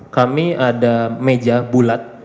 kami ada meja bulat